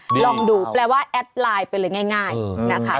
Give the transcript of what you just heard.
ลองดูแปลว่าแอดไลน์ไปเลยง่ายนะคะ